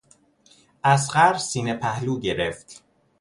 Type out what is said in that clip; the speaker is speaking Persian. اصغر سینه پهلو گرفت.